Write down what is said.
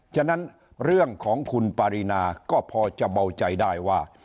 ฉะนั้นเรื่องของคุณปารีนาก็พอจะเบาใจได้ว่า